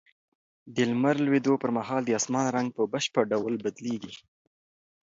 د لمر لوېدو پر مهال د اسمان رنګ په بشپړ ډول بدلېږي.